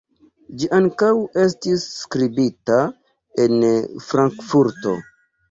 Ĝi ankaŭ estis skribita en Frankfurto.